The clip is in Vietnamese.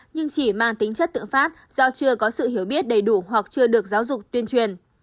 nhưng chỉ mang tính chất tự phát do chưa có sự hiểu biết đầy đủ hoặc chưa được giáo dục tuyên truyền